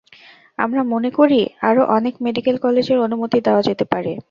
আমরা মনে করি, আরও অনেক মেডিকেল কলেজের অনুমতি দেওয়া যেতে পারে।